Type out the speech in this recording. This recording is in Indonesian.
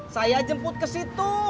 saya jemput ke situ